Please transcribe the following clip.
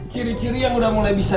ciri ciri yang udah mulai bisa